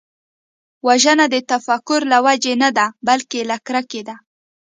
وژنه د تفکر له وجې نه ده، بلکې له کرکې ده